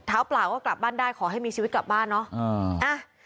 เปล่าก็กลับบ้านได้ขอให้มีชีวิตกลับบ้านเนาะ